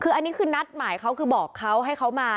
คืออันนี้คือนัดหมายเขาคือบอกเขาให้เขามา